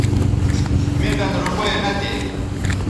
مے کن روپے نہ تھے